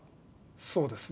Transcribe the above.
そうですね。